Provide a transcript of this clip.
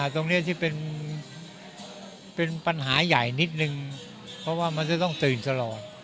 ตรงนี้ที่เป็นปัญหาใหญ่นิดนึงเพราะว่ามันจะต้องตื่นตลอด